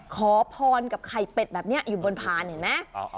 ขอพอนกับไข่เป็ดแบบเนี้ยอยู่บนปันเห็นไหมอ๋ออ